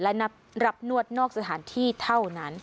และรับนวดนอกสถานที่เท่านั้น